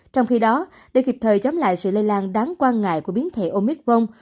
trong khi đó để kịp thời chống lại sự lây lan đáng quan ngại của biến thể omicron